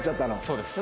そうです。